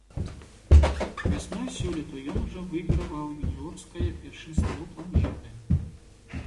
Вясной сёлета ён ужо выйграваў юніёрскае першынство планеты.